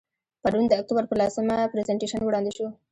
پرون د اکتوبر په لسمه، پرزنټیشن وړاندې شو.